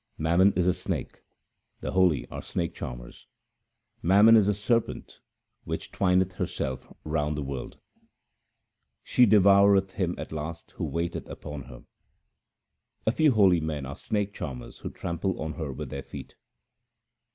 Mammon is a snake, the holy are snake charmers :— Mammon is a serpent which twineth herself round the world ; She devoureth him at last who waiteth upon her. A few holy men are snake charmers who trample on her with their feet.